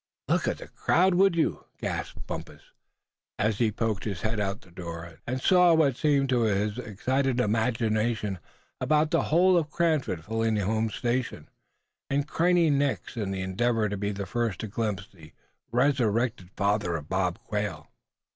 "Look at the crowd, would you?" gasped Bumpus, as he poked his head out of the door, and saw what seemed to his excited imagination about the whole of Cranford filling the home station, and craning necks in the endeavor to be the first to glimpse the resurrected father of Bob Quail.